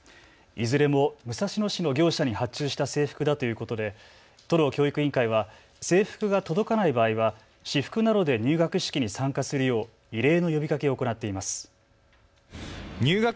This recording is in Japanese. いずれも武蔵野市の業者に発注した制服だということで都の教育委員会は制服が届かない場合は、私服などで入学式に参加するよう異例の呼びかけを行っています。